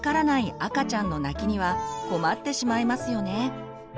赤ちゃんの泣きには困ってしまいますよね。